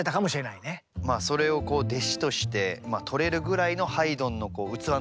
それを弟子としてとれるぐらいのハイドンの器の大きさというか。